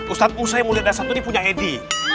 ustaz usai mulia dasar itu punya edi